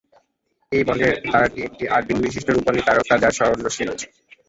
এই বর্গের তারাটি একটি আট-বিন্দু বিশিষ্ট রূপালি তারকা যার সরল রশ্মি রয়েছে।